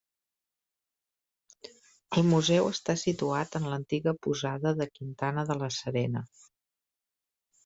El museu està situat en l'antiga posada de Quintana de la Serena.